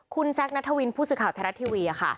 คุณแซคณฑวินผู้สึกข่าวแพทย์นัททีวี